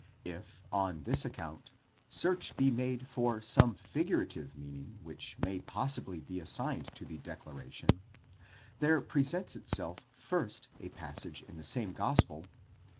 If on this. account search be made for some figurative meaning which may possibly be assigned to the declaration, there presents itself first a passage in the same gospel (iv.